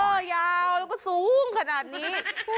ยาวแล้วก็สูงขนาดนี้